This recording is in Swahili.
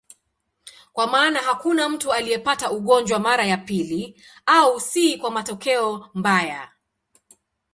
Kwa maana hakuna mtu aliyepata ugonjwa mara ya pili, au si kwa matokeo mbaya.